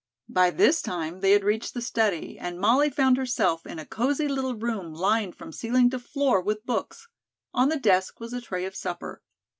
By this time they had reached the study and Molly found herself in a cozy little room lined from ceiling to floor with books. On the desk was a tray of supper.